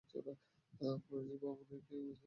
ফর্জি বাবু নয় ফেজি বাবু হবে!